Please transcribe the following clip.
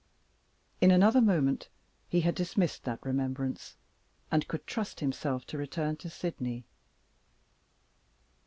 In another moment he had dismissed that remembrance, and could trust himself to return to Sydney.